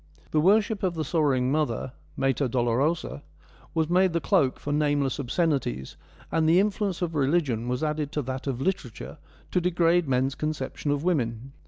The worship of the sorrowing mother — Mater Dolorosa — was made the cloak for nameless obsceni ties, and the influence of religion was added to that of literature to degrade men's conception of women.